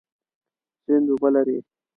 سیند اوبه لري.